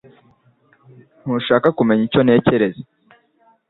Ntushaka kumenya icyo ntekereza